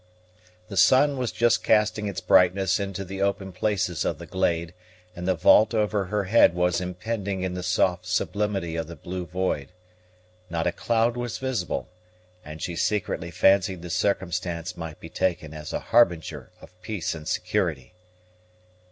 The sun was just casting its brightness into the open places of the glade, and the vault over her head was impending in the soft sublimity of the blue void. Not a cloud was visible, and she secretly fancied the circumstance might be taken as a harbinger of peace and security.